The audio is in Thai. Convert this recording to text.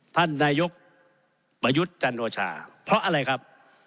ท่านนายกประยุทธ์จันโอชาเพราะอะไรครับ